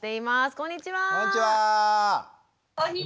こんにちは！